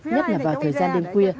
nhất là vào thời gian đêm khuya